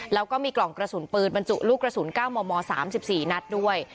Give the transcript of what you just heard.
แล้วก็มีกล่องกระสุนปืนบรรจุลูกกระสุน๙มม๓๔นัดด้วย